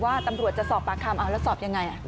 ว่าตำรวจจะสอบปากคำแล้วสอบยังไง